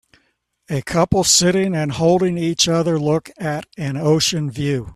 A couple sitting and holding each other look at an ocean view